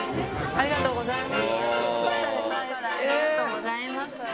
ありがとうございます。